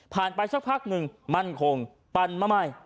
ผ่านไปสักพักนึงมั่นโคงปั่นมาไม่